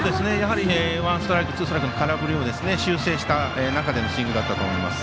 ワンストライクツーストライクの空振りを修正した中でのスイングだったと思います。